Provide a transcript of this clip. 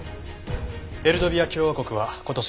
エルドビア共和国は今年